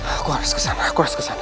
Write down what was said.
aku harus ke sana aku harus ke sana